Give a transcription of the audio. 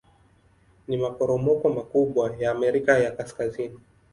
Ni maporomoko makubwa ya Amerika ya Kaskazini.